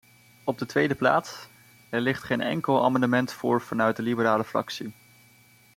Op de tweede plaats: er ligt geen enkel amendement voor vanuit de liberale fractie.